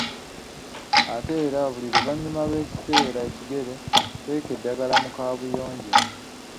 Ate era buli luvanyuma lw‘ekiseera ekigere, teeka eddagala mu kabuyonjo.